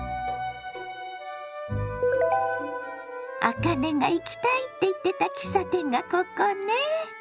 あかねが行きたいって言ってた喫茶店がここね？